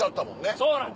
そうなんです。